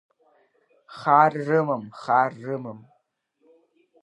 Хар рымам, хар рымам!